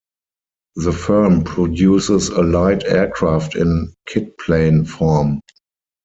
The firm produces a light aircraft in kitplane form.